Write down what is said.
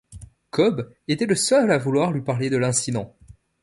Cobb était le seul à vouloir lui parler de l'incident.